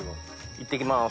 いってきます。